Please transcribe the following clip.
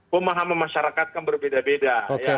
pemahaman masyarakat kan berbeda beda